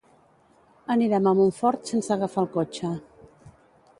Anirem a Montfort sense agafar el cotxe.